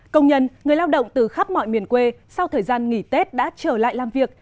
công nhân người lao động từ khắp mọi miền quê sau thời gian nghỉ tết đã trở lại làm việc